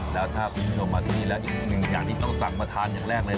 แล้วถ้าพิ้งชมมานี่แล้วอีกหนึ่งอย่างที่เราสั่งมาทานอย่างแรกเลย